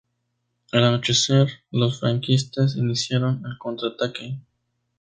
El anochecer, los franquistas iniciaron el contraataque.